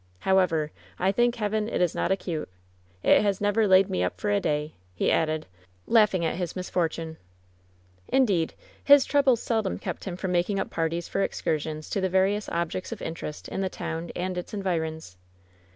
However, I thank Heaven it is not acute It has never laid me up for a day," he added, laughing at his misfortune. Indeed, his troubles seldom kept him from making up parties for excursions to the various objects of interest in the town and its environs.